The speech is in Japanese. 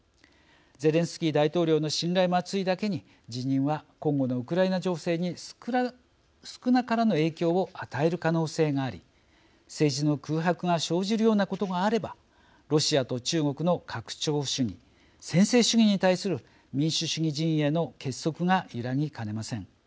ゼレンスキー大統領の信頼も厚いだけに辞任は今後のウクライナ情勢に少なからぬ影響を与える可能性があり政治の空白が生じるようなことがあればロシアと中国の拡張主義、専制主義に対する民主主義陣営の結束が揺らぎかねません。